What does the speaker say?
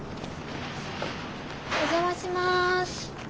お邪魔します。